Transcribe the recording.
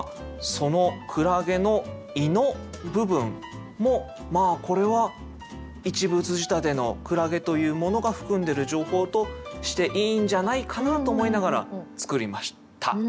その海月の胃の部分もこれは一物仕立ての海月というものが含んでる情報としていいんじゃないかなと思いながら作りました。